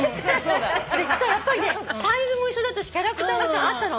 したらやっぱりねサイズも一緒だったしキャラクターも合ったの。